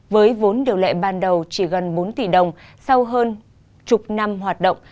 với vốn điều lệ ban đầu chỉ gần bốn tỷ đồng sau hơn chục năm hoạt động